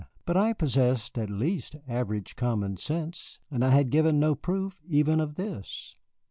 But I possessed, at least, average common sense, and I had given no proof even of this.